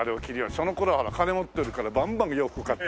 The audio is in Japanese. その頃は金持ってるからバンバン洋服買って。